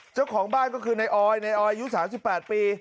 เจ้าของบ้านก็คือนายออยนายออยอยู่๓๘ปี